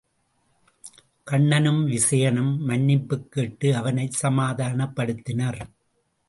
கண்ணனும் விசயனும் மன்னிப்புக் கேட்டு அவனைச் சமாதானப்படுத்தினர்.